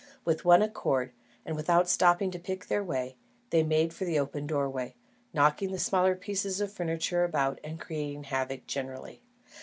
With one accord, and without stopping to pick their way, they made for the open doorway, knocking the smaller pieces of furniture about and creating havoc generally.